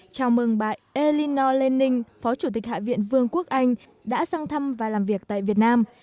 chào mừng bà elinor lenining phó chủ tịch hạ viện vương quốc anh đã sang thăm và làm việc tại việt nam